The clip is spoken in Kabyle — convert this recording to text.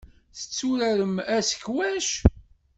Tetturarem asekwac?